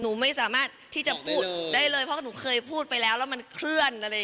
หนูไม่สามารถที่จะพูดได้เลยเพราะหนูเคยพูดไปแล้วแล้วมันเคลื่อนอะไร